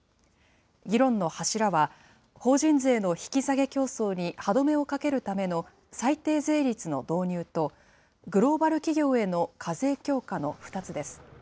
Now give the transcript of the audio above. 議論の柱は、法人税の引き下げ競争に歯止めをかけるための最低税率の導入と、グローバル企業への課税強化の２つです。